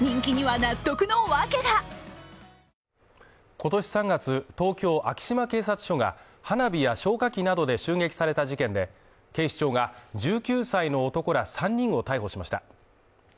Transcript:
今年３月、東京昭島警察署が花火や消火器などで襲撃された事件で、警視庁が１９歳の男ら３人を逮捕しました。